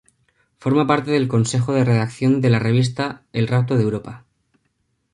Forma parte del Consejo de Redacción de la revista El Rapto de Europa.